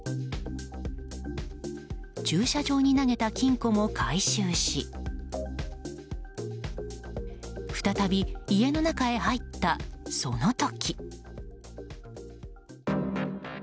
駐車場に投げた金庫も回収し再び家の中へ入った、その時。